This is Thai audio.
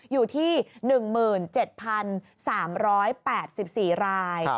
อยู่ที่๑๗๓๘๔ราย